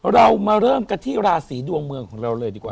เรามาเริ่มกันที่ราศีดวงเมืองของเราเลยดีกว่า